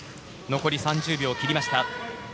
残りは３０秒を切りました。